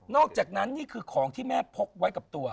อกจากนั้นนี่คือของที่แม่พกไว้กับตัว